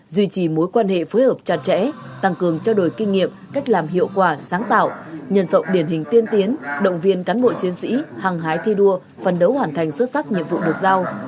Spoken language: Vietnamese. duy trì mối quan hệ phối hợp chặt chẽ tăng cường trao đổi kinh nghiệm cách làm hiệu quả sáng tạo nhân rộng điển hình tiên tiến động viên cán bộ chiến sĩ hăng hái thi đua phần đấu hoàn thành xuất sắc nhiệm vụ được giao